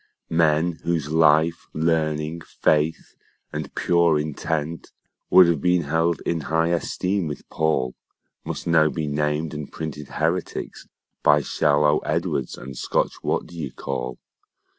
Men whose life, learning, faith, and pure intent, Would have been held in high esteem with Paul Must now be named and printed heretics By shallow Edwards and Scotch What d'ye call.